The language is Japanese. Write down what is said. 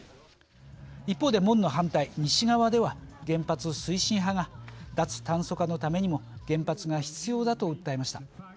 一方で門の反対西側では原発推進派が脱炭素化のためにも原発が必要だと訴えました。